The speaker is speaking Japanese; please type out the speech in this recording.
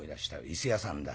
伊勢屋さんだ。